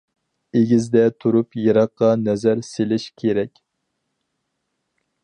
ئېگىزدە تۇرۇپ يىراققا نەزەر سېلىش كېرەك.